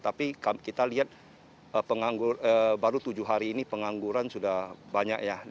tapi kita lihat baru tujuh hari ini pengangguran sudah banyak ya